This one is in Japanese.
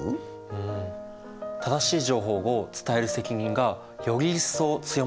うん正しい情報を伝える責任がより一層強まったんじゃないですか？